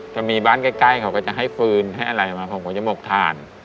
ถ้ามีบ้านใกล้เขาก็จะให้ฟืนให้อะไรมาผมก็จะหมกฐาน